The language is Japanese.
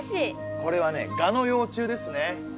これはねガの幼虫ですね。